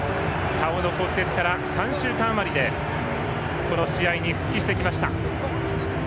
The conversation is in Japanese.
顔の骨折から３週間余りでこの試合に復帰してきました。